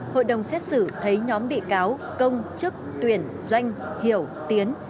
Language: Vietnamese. hội đồng xét xử thấy nhóm bị cáo công chức tuyển doanh hiểu tiến